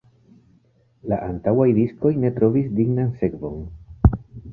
La antaŭaj diskoj ne trovis dignan sekvon.